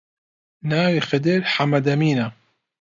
ناوی خدر حەمەدەمینە